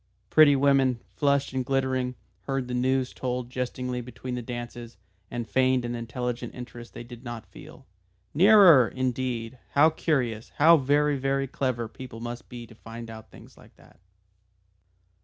Pretty women, flushed and glittering, heard the news told jestingly between the dances, and feigned an intelligent interest they did not feel. "Nearer! Indeed. How curious! How very, very clever people must be to find out things like that!"